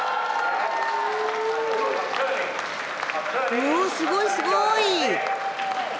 おすごいすごい！